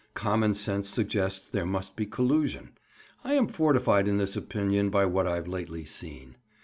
Common sense suggests there must be collusion. I am fortified in this opinion by what I've lately seen.